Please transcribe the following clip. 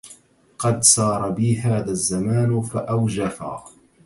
قد سار بي هذا الزمان فأوجفا